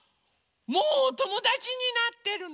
もうおともだちになってるの？